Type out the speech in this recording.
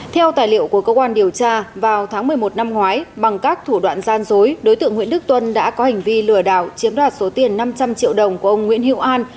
theo tài liệu của cơ quan điều tra vào tháng một mươi một năm ngoái bằng các thủ đoạn gian dối đối tượng nguyễn đức tuân đã có hành vi lừa đảo chiếm đoạt số tiền năm trăm linh triệu đồng của ông nguyễn hiệu an